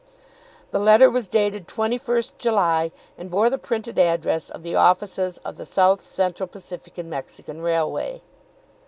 The letter was dated 21st July, and bore the printed address of the offices of the South Central Pacific and Mexican Railway.